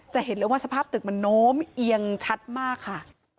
จะเห็นเลยว่าสภาพตึกมันโน้มเอียงชัดมากค่ะ